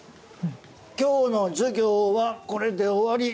今日の授業はこれで終わり。